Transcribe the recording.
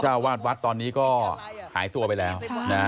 วาดวัดตอนนี้ก็หายตัวไปแล้วนะ